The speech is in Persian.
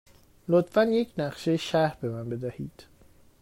لطفاً یک نقشه شهر به من بدهید.